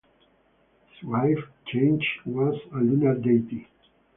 His wife, Chang'e, was a lunar deity.